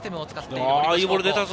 いいボール出たぞ。